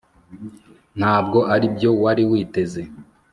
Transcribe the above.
ntabwo aribyo wari witeze